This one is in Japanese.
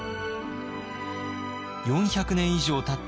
４００年以上たった